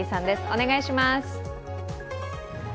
お願いします。